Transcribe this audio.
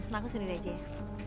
aku sendiri aja ya